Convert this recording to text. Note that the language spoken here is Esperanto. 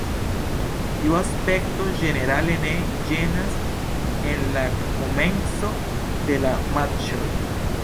Tiu aspekto ĝenerale ne ĝenas en la komenco de la matĉoj.